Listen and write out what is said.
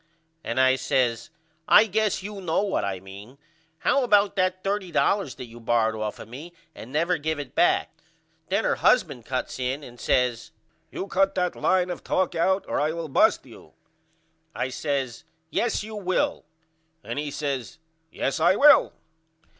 and I says I guess you know what I mean. How about that $30.00 that you borrowed off of me and never give it back, Then her husband cuts in and says You cut that line of talk out or I will bust you. I says Yes you will. And he says Yes I will.